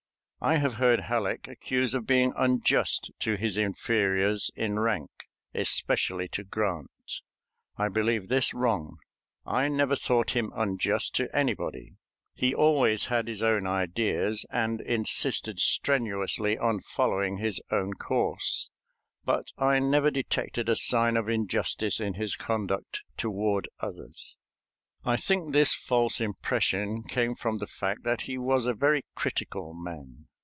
I have heard Halleck accused of being unjust to his inferiors in rank, especially to Grant. I believe this wrong. I never thought him unjust to anybody. He always had his own ideas, and insisted strenuously on following his own course, but I never detected a sign of injustice in his conduct toward others. I think this false impression came from the fact that he was a very critical man.